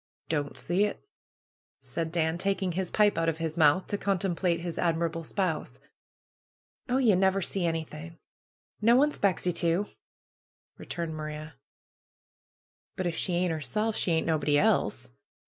^^Don't see it!" said Dan, taking his pipe out of his mouth, to contemplate his admirable spouse. ^^Oh, ye never see anything! No one 'spects ye to!" returned Maria. "But if she ain't 'erself, she ain't nobody else.